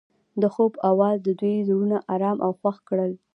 د خوب اواز د دوی زړونه ارامه او خوښ کړل.